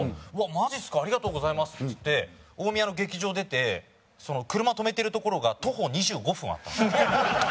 マジっすかありがとうございます」っつって大宮の劇場出て車止めてる所が徒歩２５分あったんですよ。